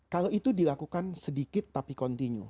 kalau itu dilakukan sedikit tapi continue